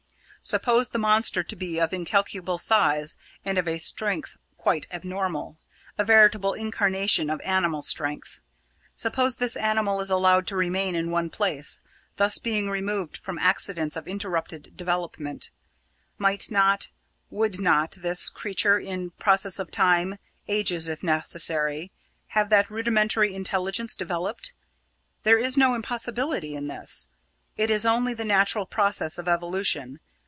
Suppose the monster to be of incalculable size and of a strength quite abnormal a veritable incarnation of animal strength. Suppose this animal is allowed to remain in one place, thus being removed from accidents of interrupted development; might not, would not this creature, in process of time ages, if necessary have that rudimentary intelligence developed? There is no impossibility in this; it is only the natural process of evolution.